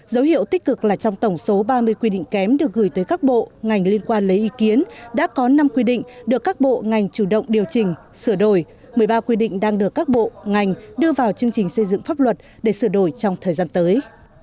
dấu hiệu tích cực là trong tổng số ba mươi quy định kém được gửi tới các bộ ngành liên quan lấy ý kiến đã có năm quy định được các bộ ngành chủ động điều chỉnh sửa đổi một mươi ba quy định đang được các bộ ngành đưa vào chương trình xây dựng pháp luật để sửa đổi trong thời gian tới